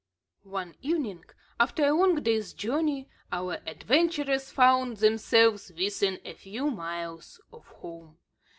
One evening, after a long day's journey, our adventurers found themselves within a few miles of home.